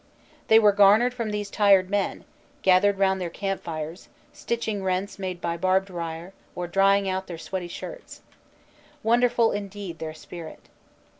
They were garnered from these tired men, gathered round their campfires, stitching rents made by barbed wire or drying out their sweaty shirts. Wonderful indeed their spirit.